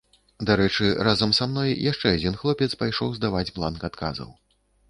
Дарэчы, разам са мной яшчэ адзін хлопец пайшоў здаваць бланк адказаў.